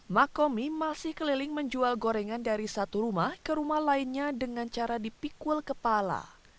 makomi masih keliling menjual gorengan dari satu rumah ke rumah lainnya dengan cara dipikul kepala